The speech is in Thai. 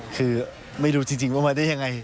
คือไม่รู้จริงว่ามาได้ยังไง